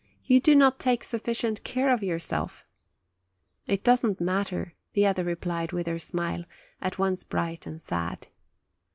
You do not take sufficient care of yourself!" "It does not matter," the other replied, with her smile, at once bright and sad.